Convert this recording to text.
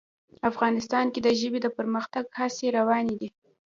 افغانستان کې د ژبې د پرمختګ هڅې روانې دي.